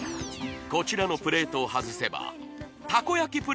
こちらのプレートを外せばたこ焼き